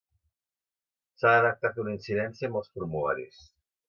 S'ha detectat una incidència amb els formularis.